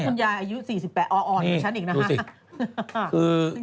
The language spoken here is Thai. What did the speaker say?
แล้วคุณยายอายุ๔๘อ๋ออ่อนกว่าฉันอีกนะ